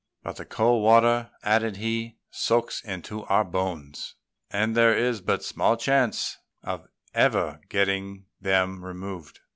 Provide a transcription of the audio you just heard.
"But the cold water," added he, "soaks into our bones, and there is but small chance of ever getting them removed.